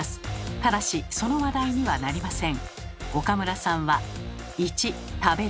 ただしその話題にはなりません。